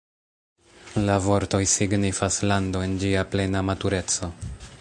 La vortoj signifas "lando en ĝia plena matureco".